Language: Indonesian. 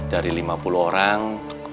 dari lima puluh orang